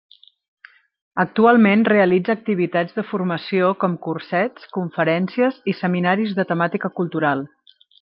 Actualment realitza activitats de formació com cursets, conferències, i seminaris de temàtica cultural.